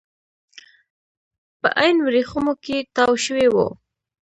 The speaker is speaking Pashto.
په عین ورېښمو کې تاو شوي وو.